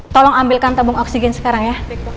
tolong ambilkan tabung oksigen sekarang ya